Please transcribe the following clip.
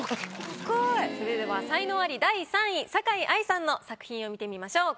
それでは才能アリ第３位酒井藍さんの作品を見てみましょう。